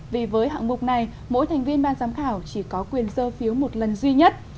vì với hạng mục này mỗi thành viên ban giám khảo chỉ có quyền dơ phiếu một lần duy nhất